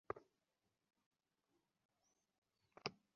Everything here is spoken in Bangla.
জঙ্গিরা হয়তো তল্লাশি চৌকিতে ধরা পড়ার আশঙ্কায় অস্ত্র-বোমা পথে ফেলে গেছে।